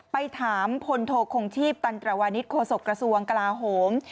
ไปถามพลโทคงชีพตันตรวานิสโฆษกระทรวงกลาโหม